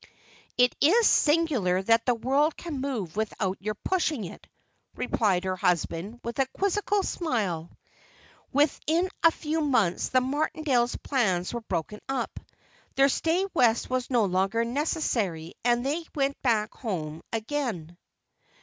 "It is singular that the world can move without your pushing it," replied her husband with a quizzical smile. Within a few months the Martindales' plans were broken up; their stay West was no longer necessary, and they went back home again.